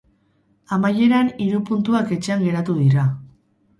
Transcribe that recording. Amaieran, hiru puntuak etxean geratu dira.